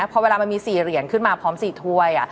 พอเวลามันมี๔เหรียญขึ้นมาพร้อม๔ถ้วย